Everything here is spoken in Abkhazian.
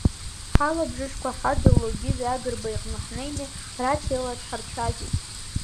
Ҳалабжышқәа хаддыло Гиви Агрба иҟны ҳнеины, рациала дҳарцәажәеит.